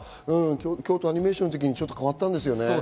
京都アニメーションのときに変わったんですよね。